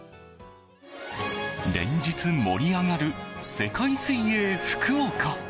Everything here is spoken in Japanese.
連日、盛り上がる世界水泳福岡。